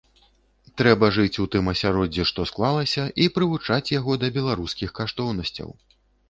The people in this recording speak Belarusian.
Трэба жыць у тым асяроддзі, што склалася, і прывучаць яго да беларускіх каштоўнасцяў.